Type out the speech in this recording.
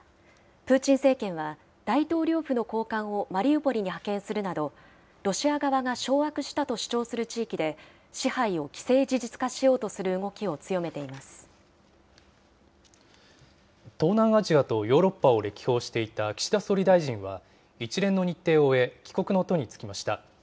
プーチン政権は大統領府の高官をマリウポリに派遣するなど、ロシア側が掌握したと主張する地域で支配を既成事実化しようとす東南アジアとヨーロッパを歴訪していた岸田総理大臣は、一連の日程を終え、帰国の途に就きました。